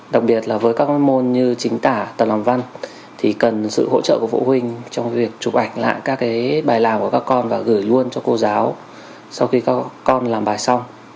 đặc biệt là với các môn như chính tả tầng làm văn thì cần sự hỗ trợ của phụ huynh trong việc chụp ảnh lại các bài làm của các con và gửi luôn cho cô giáo sau khi các con làm bài xong